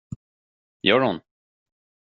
Gör hon?